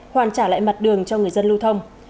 hoàn trả lại mặt đường cho người dân lưu thông